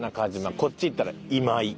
こっち行ったら今井。